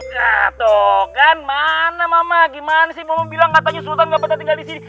ah toh kan mana mama gimana sih mama bilang katanya sultan gak betah tinggal disini